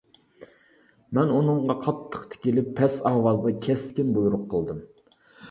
مەن ئۇنىڭغا قاتتىق تىكىلىپ پەس ئاۋازدا كەسكىن بۇيرۇق قىلدىم.